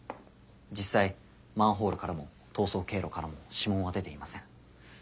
実際マンホールからも逃走経路からも指紋は出ていません。